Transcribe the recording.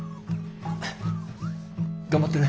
頑張ってね。